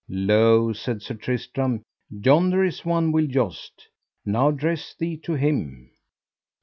Lo, said Sir Tristram, yonder is one will joust; now dress thee to him.